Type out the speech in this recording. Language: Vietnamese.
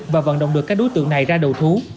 và vận động được các đối tượng này ra đầu thú